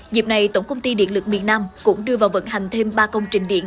dịp này tổng công ty điện lực miền nam cũng đưa vào vận hành thêm ba công trình điện